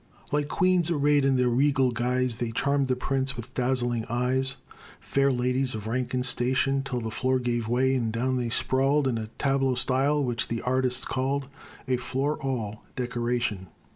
Like queens arrayed in their regal guise, They charmed the prince with dazzling eyes, Fair ladies of rank and station, Till the floor gave way, and down they sprawled, In a tableaux style, which the artists called A floor all decoration.